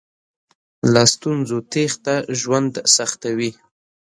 له ستونزو تېښته ژوند سختوي.